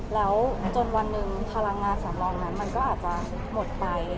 แล้วจนวันหนึ่งพลังงานสำรองนั้นมันก็อาจจะหมดไป